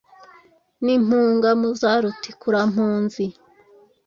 ni mpunga mu za Rutikurampunzi “.